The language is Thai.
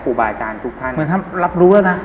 กู้บายจานทุกท่าน